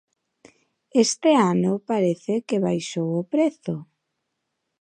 Este ano parece que baixou o prezo.